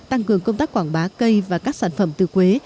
tăng cường công tác quảng bá cây và các sản phẩm từ quế